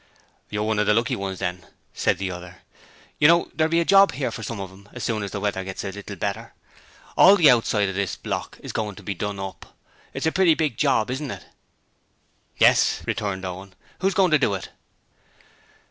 'You're one of the lucky ones, then,' said the other. 'You know, there'll be a job here for some of 'em as soon as the weather gets a little better. All the outside of this block is going to be done up. That's a pretty big job, isn't it?' 'Yes,' returned Owen. 'Who's going to do it?'